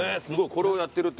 これをやってるという。